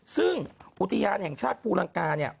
ซึ่งอุทยานแห่งชาติภูลังกาเนี่ย